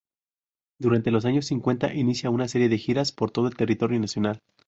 Durante los años cincuenta inicia una serie de giras por todo el territorio nacional.